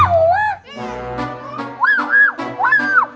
putak putak putak